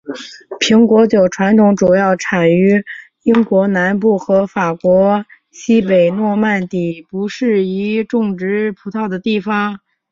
苹果酒传统主要产于英国南部和法国西北诺曼底不适宜种植葡萄的地方。